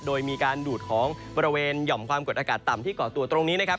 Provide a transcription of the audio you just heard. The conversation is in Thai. โดยมีการดูดของบริเวณหย่อมความกดอากาศต่ำที่ก่อตัวตรงนี้นะครับ